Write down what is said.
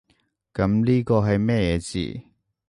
噉呢個係乜嘢字？